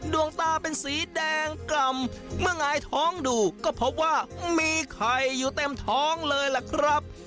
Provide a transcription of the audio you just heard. ดวงตาเป็นสีแดงกล่ำเมื่อหงายท้องดูก็พบว่ามีไข่อยู่เต็มท้องเลยล่ะครับ